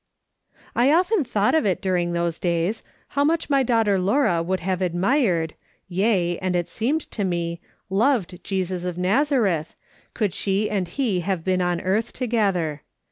I often thought of it during those days, how much my daughter Laura would have admired, yea, and it seemed to me, loved Jesus of Nazareth, could she and he have been on earth together.